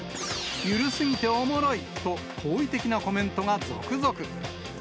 緩すぎておもしろいと好意的なコメントが続々。